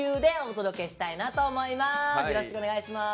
よろしくお願いします。